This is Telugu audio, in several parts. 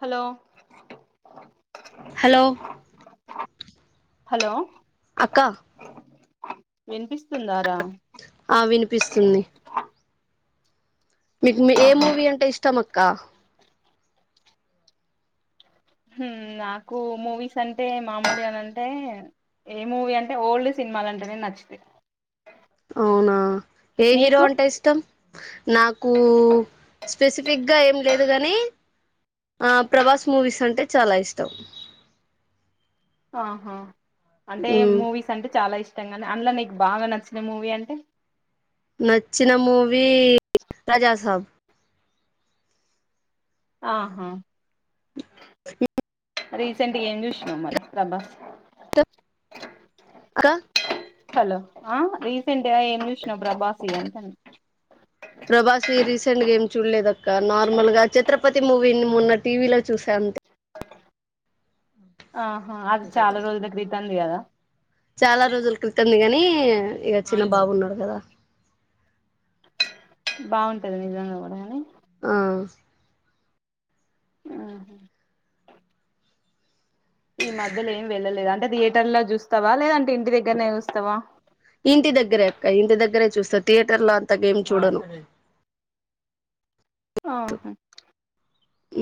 హలో హలో హలో అక్క వినిపిస్తుందా ఆ వినిపిస్తుంది మీకు ఏ మూవీ అంటే ఇష్టం అక్క హ్మ్ నాకు మూవీస్ అంటే మామూలు అని అంటే ఏ మూవీ అంటే ఓల్డ్ సినిమాలంటేనె నచ్చుతాయ్ అవునా ఏ హీరో అంటే ఇష్టం నాకు స్పెసిఫీగ్గా ఏం లేదు గాని ఆ ప్రభాస్ మూవీస్ అంటే చాలా ఇష్టం ఆహా అంటే ఉమ్ మూవీస్ అంటే చాలా ఇష్ అందులో నీకు బాగా నచ్చిన మూవీ అంటే నచ్చిన మూవీ రాజాసాబ్ ఆహా మ్ రీసెంట్గా ఏం చూసినావ్ మరి ప్రభాస్ అక్క హలో ఆహ్ రీసెంట్ గా ఎమ్ జూశినవ్ ప్రభాస్ అంటన ప్రభాస్వి రీసెంట్ గా ఏమి చూలేదక్క నార్మల్ గా ఛత్రపతి మూవీని మొన్న టీవీలో చూసా ఇంకా ఆహా అది చాలా రోజుల క్రితం ది గదా ఇగ చిన్న బాబున్నడు గదా బావుంటది నిజంగ గుడా గనీ అ ఆహా ఈ మధ్యలో ఏం వెళ్ళలేద అంటే థియేటర్ లో జూస్తావా లేదంటే ఇంటి దగ్గర్నే చూస్తావా ఇంటి దగ్గరే అక్క ఇంటి దగ్గరే చూస్త థియేటర్ లో అంత గేమ్ చూడను ఆహా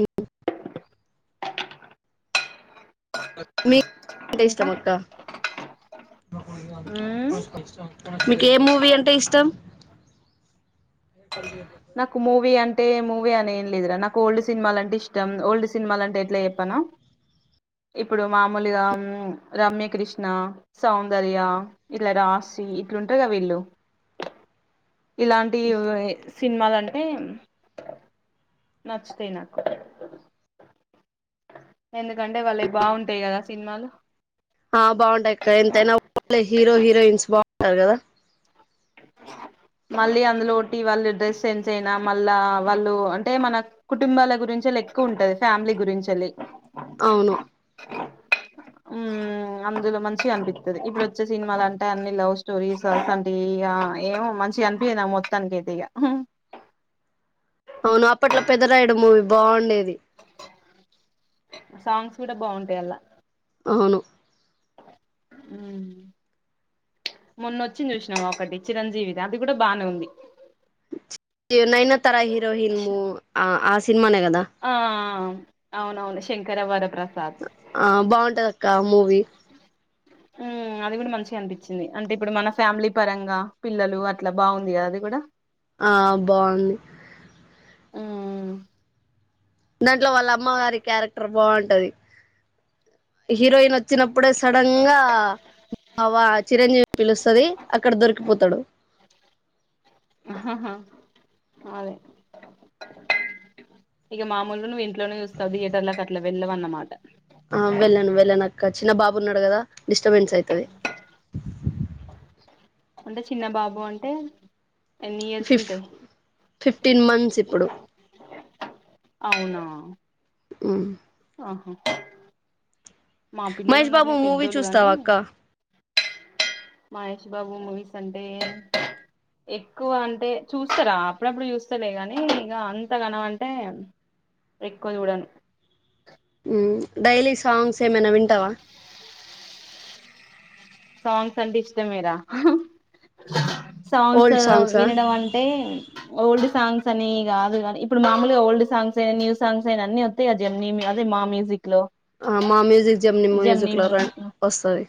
మ్ మీక్ అంటే ఇంకా ఇష్టం అక్క మ్మ్ మీకే మూవీ అంటే ఇష్టం నాకు మూవీ అంటే మూవీ అని ఏం లేదురా నాకు ఓల్డ్ సినిమాలంటే ఇష్టం ఓల్డ్ సినిమాలంటే ఎట్ల చెప్ప నా ఇప్పుడు మామూలుగా రమ్యకృష్ణ సౌందర్య ఇల రా సి ఇట్లుంటరు గ వీళ్ళు ఇలాంటి వే వ్ సినిమలు అంటే నచ్చుతై నాకు ఎందుకంటే వాలై బావుంటయ్ గదా సినిమాలు ఆ బావుంటాయక్క ఎంతైనా ఓల్డ్ హీరో హీరోయిన్స్ బావుంటరు గదా మళ్ళీ అందులో ఒటి వాళ్ళ డ్రెస్ సెన్స్ అయినా మళ్ళా వాళ్ళు అంటే మన కుటుంబాల గురి చేలి ఎక్కువుంటది ఫ్యామిలీ గురించేలి అవును మ్ మ్ అందులో మంచిగ అనిపిత్తది ఇప్పుడు వచ్చే సినిమాల అంటే అన్ని లవ్ స్టోరీస్ అసోంటియి అ ఏమో మంచిగనిపియదు నా మొత్తానికైతే ఇగ అవును అప్పట్లో పెద్దరాయడు మూవీ బావుండే సాంగ్స్ గుడా బావుంటయ్ అల్లా అవును మ్ మొన్నొచ్చింది చూశినవా ఒకటి చిరంజీవిది అది గుడా బానే ఉంది ఇ నైనాతారా హిరోహిన్ ము అ ఆ సి ఆ అ అ అవునవును శంకరవర ప్ర అ అ బావుంటదక్క ఆ మూవీ మ్ అది గుడా మంచిగా అనిపిచింది అంటే ఇప్పుడు మన ఫ్యామిలీ పరంగా పిల్లలు అట్ల బావుంది గదా అది గూడ ఆ బావుంది మ్మ్ దాంట్లొ వాళ్ళ అమ్మ గారి క్యారెక్టర్ బావుంటది హీరోయిన్ ఒ చ్చినప్పుడే సడన్ గా అవ్వ చిరంజీవిని పిలుస్తది అక్కడ దొరికిపోతడు అదె ఇగ మామూలు నువ్వు ఇంట్లోనే చూస్తావు థియేటర్ లకి అట్ల వెళ్ళవన్నమాట ఆ వెళ్ళను వెళ్ళను అక్క చిన్న బాబు ఉన్నడు గదా డిస్టర్బెన్స్ అయితది అంటె చిన్న బాబు అంటే ఎన్ని ఇయర్స్ ఫిఫ్ ఉంటాయి ఫిఫ్టీన్ మంత్స్ ఇప్పుడు అవునా మ్ ఆహా మా పిల్లలు మహేష్ బాబు ఉన్నరులే మూవీ పెద్దోళ్ళు కానీ చూస్తావా అక్క మహేష్ బాబు మూవీసంటే ఎక్కువ అంటే చూస్తరా అప్పుడప్పుడు చూస్తలే కానీ ఇగ అంతగనం అంటే ఎక్కువ చూడను డైలీ సాంగ్స్ ఏమైనా వింటావా సాంగ్స్ అంటే ఇష్టమే రా సాంగ్స్ ఓల్డ్ సాంగ్సా వినడం అంటే ఓల్డ్ సాంగ్స్ అనీ కాదుగానీ ఇప్పుడు మామూలుగా ఓల్డ్ సాంగ్స్ ఎ న్యూ సాంగ్స్ ఎ అని అన్నోత్తయ్ గా జెమ్ని మ్యు అదే మా మ్యూజిక్ లో ఆ మా మ్యూజిక్ జమ్ని మ్యూజిక్ లో రెం వొస్తది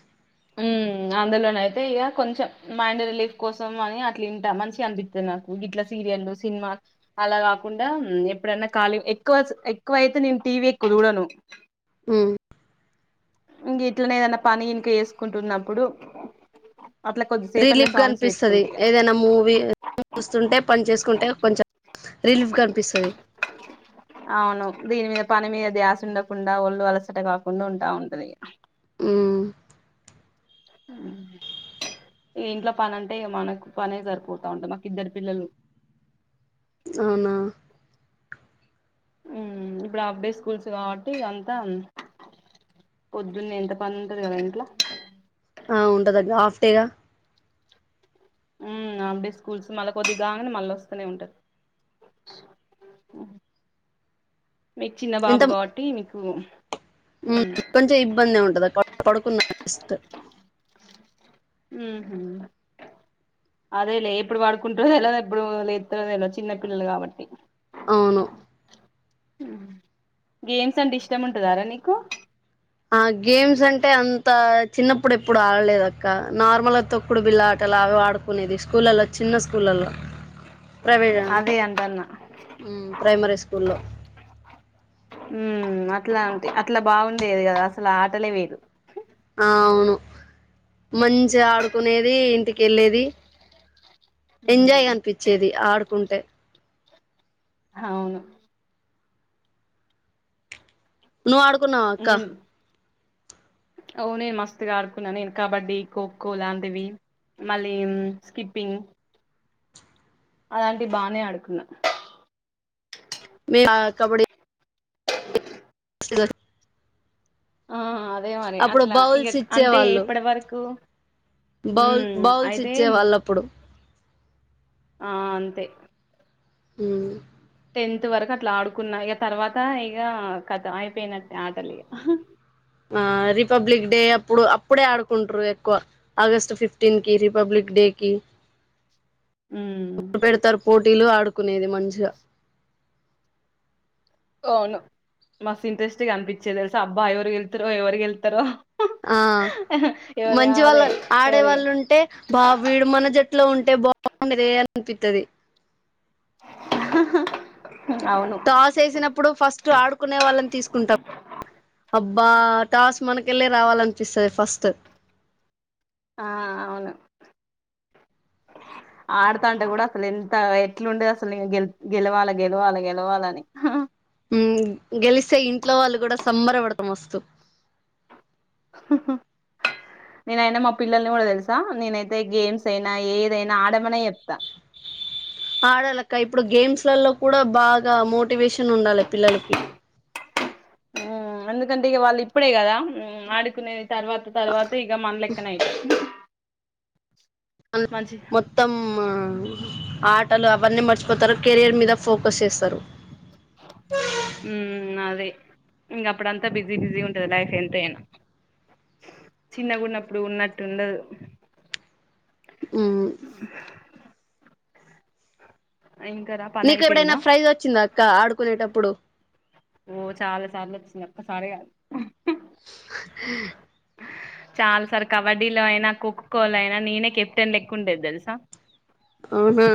మ్ అందులోనైతే ఇగ కొంచెం మైండ్ రిలీఫ్ కోసం అని అట్లింటా మంచిగన్పిత్తది నాకు గి ఇట్ల సీరియల్లు సినిమా అలా కాకుండా ఎప్పుడైనా కాలీ ఎక్కువ ఎక్కువైతే నేన్ టీవే ఎక్కుసూడను మ్ ఇంగిట్లనే ఏదనా పని ఇంకా ఎసుకుంటున్నప్పుడు రిలీఫ్ గా అనిపిస్తది ఏదైనా మూవీ చూస్తుంటే పని చేసుకుంటే కొంచెం రిలీఫ్ గన్పిస్తది అవును దీని మీద పని మీద ధ్యాసుండకుండా ఒళ్ళు అలసట కాకుండా ఉంటాం అదీ ఉహు ఈ ఇంట్లో పని అంటే ఇగ మనకు పనే సరిపోతాంట మాకు ఇద్దరు పిల్లలు అవునా మ్ ఇప్పుడు హాఫ్డే స్కూల్స్ కావట్టీ ఇగ అంతా పొద్దున్నే ఎంత పని ఉంటది కదా ఇంట్ల ఆ ఉంటదక్క హాఫ్ డే గ ఉమ్ హాఫ్డే స్కూల్స్ మళ్ళ కొద్దిగాంగనే మళ్ళోస్తనే ఉంటారు మీకు చిన్న బాబు ఎంత కాబట్టి మీకు కొంచెం ఇబ్బంది ఉండదు పడు పడుకున్నాడు జస్ట్ ఉహు అదేలే ఎప్పుడు పడుకుంటడో ఎలా ఎప్పుడు లేత్తరో తెల్వద్ చిన్న పిల్లలు కాబట్టి అవును గేమ్స్ అంటే ఇష్టం ఉంటదారా నీకు ఆ గేమ్స్ అంటే అంత చిన్నప్పుడు ఎప్పుడు ఆడలేదక్క నార్మల్గా తొక్కుడు బిల్లా ఆటలాగా ఆడుకునేది స్కూళ్ళలో చిన్న స్కూళ్ళల్లో ప్రైవే అదే అంటన్నా ప్రైమరీ స్కూల్లో ఉ అట్లా అంటే అట్లా బాగుండేది కదా అసలు ఆటలే వేరు ఆ అవును మంచిగాడుకునేది ఇంటికెళ్ళేది ఎంజాయ్గా అన్పిచ్చేది ఆడుకుంటే అవును నువ్ ఆడుకున్నావాక్క అవు నేను మస్తుగాడుకున్న నేను కబడ్డీ ఖో ఖో లాంటివి మళ్ళీం స్కిప్పింగ్ అలాంటివి బానే అడుకున్న మీ ఆ కబడ్డీ స్లో ఆ అదే మరి అట్లా ఇగ అంటే ఇచ్చేవాళ్ళు ఇప్పడ వరకు బౌల్ మ్మ్ బౌల్స్ అయితే ఇచ్చే వాళ్ళప్పుడు ఆ అంతే ఊమ్ టెన్త్ వరకు అట్లా ఆడుకున్న ఇగ తర్వాత ఇగ ఖతం అయిపోయినట్టే ఆటలు ఇగా ఆ రిపబ్లిక్ డే అప్పుడు అప్పుడే ఆడుకుంట్రు ఎక్కువ ఆగస్ట్ ఫిఫ్టీన్కి రిపబ్లిక్ డి కి మ్మ్ రు పెడ్తారు పోటీలు ఆడుకునేది మంచిగా అవును మస్త్ ఇంట్రెస్ట్ గా కనిపించేది తెల్సా అబ్బా ఎవరుగెళ్తారో ఎవరిగెళ్తారో ఆ ఆ హ్ మంచి వాళ్ళ ఆడేవాళ్ళు ఉంటే బా వీడు మన జట్లో ఉంటే బా బవుండే దే అనిపిత్తది హహ టాస్ ఎసినప్పుడు ఫస్ట్ ఆడ్కునే వాళ్ళని తీస్కుంటాం అబ్బా టాస్ మనకెళ్ళే రావాలంపిస్తది ఫస్ట్ ఆ అవును ఆడ్తాంటే కూడ అసలేంత ఎట్లుండేదాసల్ నేన్ గెలవలే గేలేవలే అని ఊమ్ గెలిస్తే ఇంట్లో వాళ్ళు కూడా సంబర పడ్తా మస్తు హహ నేనైనా మా పిల్లల్ని కూడా తెల్సా నేనైతే గేమ్స్ అయినా ఏదైనా ఆడ ఆడలక్క ఇప్పుడు గేమ్స్ లలో కూడా బాగా మోటివేషన్ ఉండాలె పిల్లలకి ఊమ్ ఎందుకంటే ఇగ వాళ్ళు ఇప్పుడే కదా ఉమ్ ఆడుకునే తర్వాత తర్వాత ఇగా మన్లెక్కనయి మొత్త ఆ ఆటలు అవన్నీ మర్చ్ పొతరు కేరియర్ మీద ఫోకస్ చేస్తారు ఇంగ అప్పుడ్ అంతా బిజీ బిజీ ఉంటది లైఫ్ ఎంతైనా చిన్నగున్నప్పుడు ఉన్నట్టుండదు ఊమ్ ఇంకారా పని నీకెప్పుడైనా అయిపోయిందా ఫ్రైజ్ ఒచ్చిందా అక్క ఆడుకునేటప్పుడు ఓ చాలా సార్లు ఒచ్చింది ఒక్క సరే కాద్ మా హా చాలా సార్ కబడ్డీలో అయినా ఖోఖో లో అయినా నేనే కెప్టెన్ లెక్క ఉండేది తెల్సా అవునా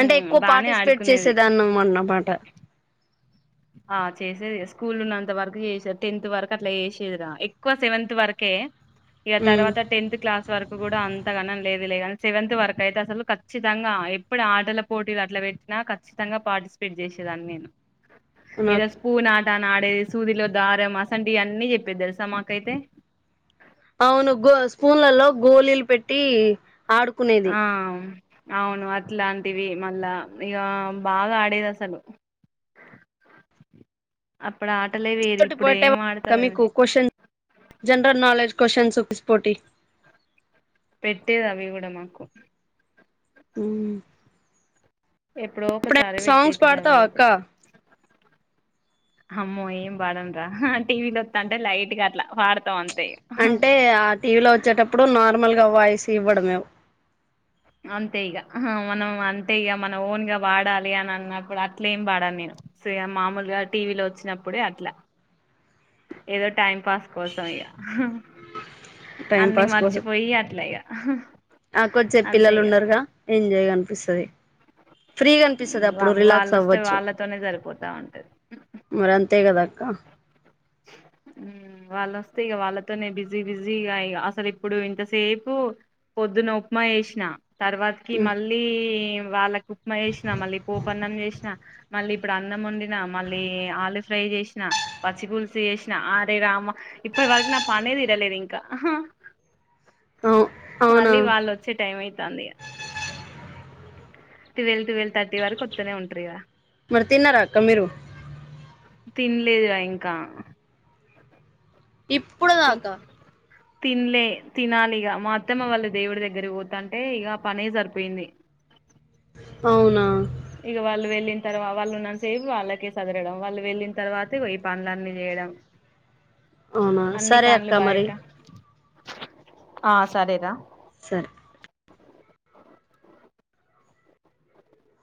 అంటే ఎక్కువ్ బానే పార్టిస్పేట్ ఆడుకునేది చేసేదాన్న అన్నమాట ఆ చేసేది స్కూల్ ఉన్నంత వర్కు చేస టెన్త్ వర్కు అట్లా చేసేదిరా ఎక్కువ సెవెంత్ వర్కే ఇగ ఉమ్ తర్వాత టెన్త్ క్లాస్ వరుక్ కూడా అంతగానం లేదు లే గని సెవెంత్ వరకు అయితే అసలు ఖచ్చితంగా ఎప్పుడు ఆటల పోటీలు అట్లా పెట్ నా కచ్చితంగా పార్టిస్పేట్ జేసేదాని నేను అవునా ఎదో స్పూన్ ఆ ట ఆ నాడేది సూదిలో దారం అసంట్ ఇ అన్నీ చెప్పేది తెల్సా మాకైతే అవును గో స్పూన్లలో గోళీలు పెట్టి ఆడుకునేది ఆ అవును అట్లాంటివి మళ్ళా ఇగ బాగా ఆడేది అసలు అప్పుడా [unintelligible] కోషన్ జెనరల్ నాలెడ్జ్ క్వశ్చన్సూ స్పోటి పెట్టేద్ అవిగూడమాకు ఊమ్ ఎప్పుడో ఒకసారి పాడతావా పెట్టేటిదవైతే అక్క అమ్మో ఏం పడన్రా టీవీలో ఒత్త అంటే లైట్గా అట్లా పడ్తాం అన్ అంటే ఆ టీవీలో ఒచ్చేటప్పుడు నార్మల్గా వాయిస్ ఇవ్వడంమేము అంతే ఇగ మనం అంటే ఇగ మనం ఓన్గా వాడాలి అని అన్నప్పుడు అట్లెం పాడాన్ నేను సేయ్ మామూల్గా టీవీలో ఒచ్చినప్పుడే అట్లా ఏదో టైం పాస్ కోసం ఇగ టైం అన్ని పాస్ కోసం మర్చిపోయి అట్ల అయ్యా ఆకొచ్చే పిల్లలు ఉన్నారుగా ఎంజ్గా అనిపిస్తుంది ఫ్రీగా అనిపిస్తాది అప్పుడు రిలాక్స్ వాళ్ళు వస్తే అవ్వచ్చు వాళ్ళతోనే సరిపోతా ఉంటది మరి అంతే కదా అక్క మ్ వాళ్ళు వస్తే ఇగ వాళ్ళతోనే బిజీ బిజీ అసలు ఇప్పుడు ఇంతసేపు పో పొద్దున ఉప్మా చేసిన తర్వాతికి హ్మ్ మళ్ళీ వాళ్ళకి ఉప్మా చేసిన మళ్ళీ పోప్ అన్నం చేసిన మళ్ళీ ఇప్పుడు అన్నం వండినా మళ్ళీ ఆలు ఫ్రై చేసిన పచ్చిపుల్ చేసిన అరే రామా ఇప్పటి వరకు నా పనే తిరలేదు ఇంకా అవు అవునా మళ్ళీ వాళ్ళు వచ్చే టైం అయితంది ఇగ ట్వీల్వ్ ట్వీల్వ్ థర్టీ వరకు ఒత్తనే ఉంట్రిగ తిన్నారా అక్క మీరు తిన్లేదు రా ఇంకా ఇప్పుడి దాకా తిన్లే తినాలి ఇగ మా అత్తమ్మ వాళ్ళు దేవుడి దగ్గర పోతుంటే ఇగ ఆ పనే సరిపోయింది అవునా ఇగ వాళ్ళు వెళ్ళిన తర్వా వాళ్ళు ఉన్నానాతసేపు వాళ్ళకే సదరడం వాళ్ళు వెళ్ళిన తర్వాత ఇగో ఇ పనులన్ని చేయడం అవున అన్ని సరే అక్క పనులు మరి బయట ఆ సరేరా సరే